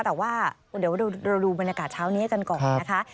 แต่ว่าเดี๋ยวเราดูบรรยากาศเช้านี้กันก่อนนะคะ